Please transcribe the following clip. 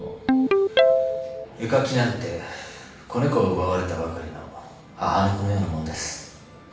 絵描きなんて子猫を奪われたばかりの母猫のようなもんです。